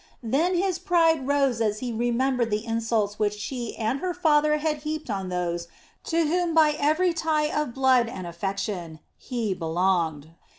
Then his pride rose as he remembered the insults which she and her father had heaped on those to whom by every tie of blood and affection, he belonged.